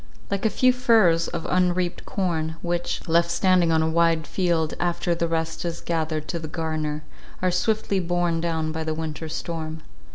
Like a few furrows of unreaped corn, which, left standing on a wide field after the rest is gathered to the garner, are swiftly borne down by the winter storm.